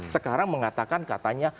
sekarang mengatakan katanya